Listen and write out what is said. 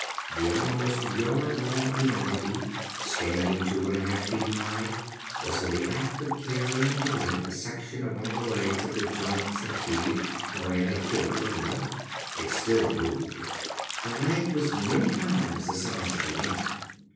The almost yard long enormity standing two and a half feet high, was in the act of carrying away a section of one of the legs of the giant centipede Moran had killed earlier. It still moved. The leg was many times the size of the ant.